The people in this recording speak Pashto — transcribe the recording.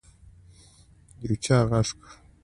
يو چا غږ کړ.